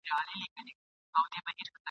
دسرونو بازار تود ؤ !.